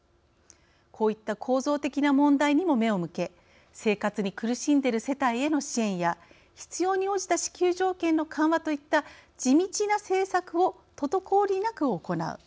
こういった構造的な問題にも目を向け生活に苦しんでいる世帯への支援や必要に応じた支給条件の緩和といった地道な政策を滞りなく行う。